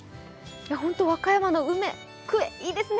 ホント和歌山の梅、クエいいですね